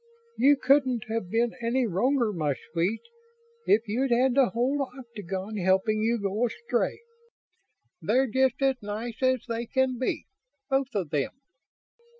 "You couldn't have been any wronger, my sweet, if you'd had the whole Octagon helping you go astray. They're just as nice as they can be, both of them."